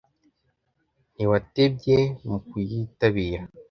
ntiwatebye mu kuyitabira